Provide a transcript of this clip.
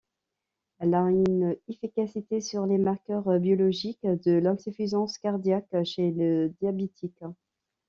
Elle a une efficacité sur les marqueurs biologiques de l'insuffisance cardiaque chez le diabétique.